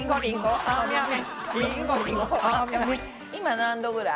今何度ぐらい？